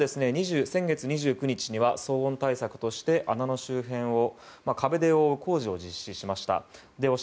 他にも先月２９日には騒音対策として穴の周辺を壁で覆う工事をしました。